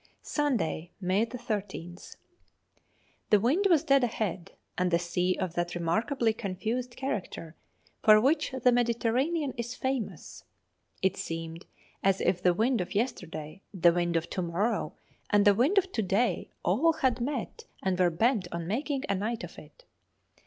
Sunday, May 13th. The wind was dead ahead, and the sea of that remarkably confused character for which the Mediterranean is famous. It seemed as if the wind of yesterday, the wind of to morrow, and the wind of to day, had all met and were bent on making a night of it.